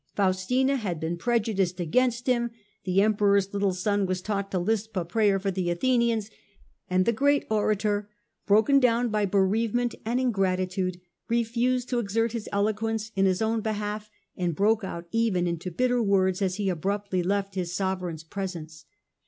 Faustina had been prejudiced against him, the Emperor's little son was taught to lisp a prayer for the Athenians, and the great orator, broken down by bereavement and ingratitude, refused to exert his eloquence in his own behalf, and broke out even into bitter words as he abruptly left his sovereign's pre sence.